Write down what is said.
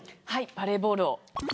バレーボールを。